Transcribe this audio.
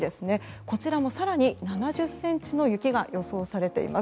こちらも更に７０ｃｍの雪が予想されています。